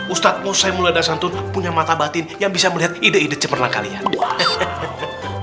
ustaz musa yang mulia dasantun punya mata batin yang bisa melihat ide ide cemerlang kalian